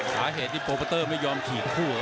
สาเหตุที่โปรโมเตอร์ไม่ยอมถีบคู่